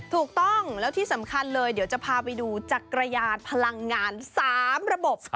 ถูกต้องแล้วที่สำคัญเลยเดี๋ยวจะพาไปดูจักรยานพลังงาน๓ระบบ